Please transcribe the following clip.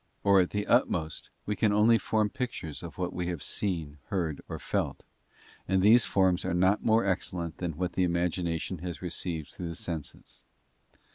Or at the utmost, we can only form pictures of what we have seen, heard, or felt; and these forms are not more excellent than what the. imagination has received through the senses.